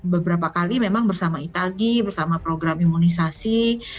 beberapa kali memang bersama itagi bersama program imunisasi